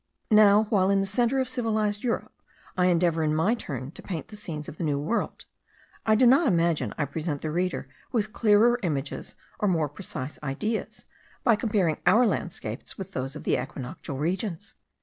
Now, while in the centre of civilized Europe, I endeavour in my turn to paint the scenes of the New World, I do not imagine I present the reader with clearer images, or more precise ideas, by comparing our landscapes with those of the equinoctial regions.